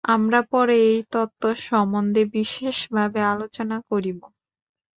আমরা পরে এই তত্ত্ব-সম্বন্ধে বিশেষভাবে আলোচনা করিব।